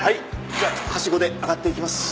でははしごで上がっていきます。